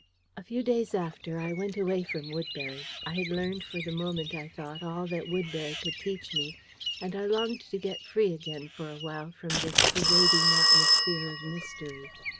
A few days after, I went away from Woodbury. I had learned for the moment, I thought, all that Woodbury could teach me: and I longed to get free again for a while from this pervading atmosphere of mystery.